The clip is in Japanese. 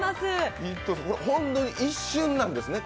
本当に一瞬なんですね